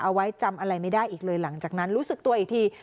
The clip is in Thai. เอาไว้จำอะไรไม่ได้อีกเลยหลังจากนั้นรู้สึกตัวอีกที